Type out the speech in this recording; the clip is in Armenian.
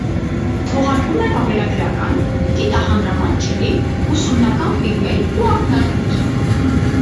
Թողարկում է վավերագրական, գիտահանրամատչելի, ուսումնական ֆիլմեր ու ակնարկներ։